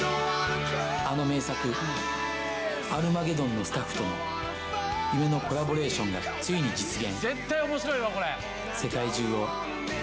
あの名作『アルマゲドン』のスタッフとの夢のコラボレーションがついに実現。